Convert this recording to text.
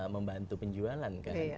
membantu penjualan kan